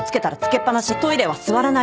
トイレは座らない。